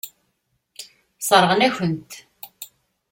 Sseṛɣen-akent-t.